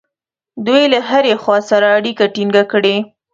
دوی له هرې خوا سره اړیکه ټینګه کړي.